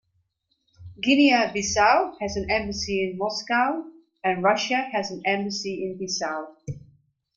Guinea-Bissau has an embassy in Moscow, and Russia has an embassy in Bissau.